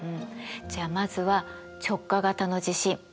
じゃあまずは直下型の地震